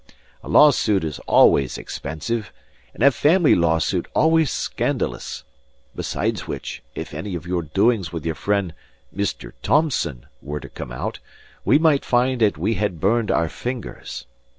A lawsuit is always expensive, and a family lawsuit always scandalous; besides which, if any of your doings with your friend Mr. Thomson were to come out, we might find that we had burned our fingers.